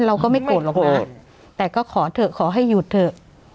เราก็ไม่โกรธหรอกนะแต่ก็ขอเถอะขอให้หยุดเถอะ